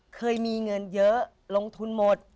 เคยมีเงินเยอะลงทุนหมด